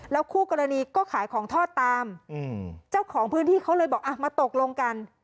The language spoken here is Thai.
คู่กรณีก็ขายของทอดตามเจ้าของพื้นที่เขาเลยบอกอ่ะมาตกลงกัน